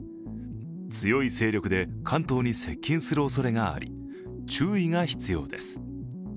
強い勢力で関東に接近するおそれがあり注意が必要です。